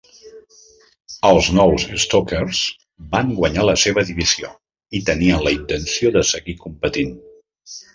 Els nous Stokers van guanyar a la seva divisió i tenien la intenció de seguir competint.